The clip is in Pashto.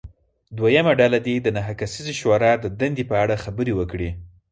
دویمه ډله دې د نهه کسیزې شورا د دندې په اړه خبرې وکړي.